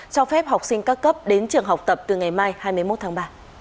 cho phép học sinh các cấp đến trường học tập từ ngày mai hai mươi một tháng ba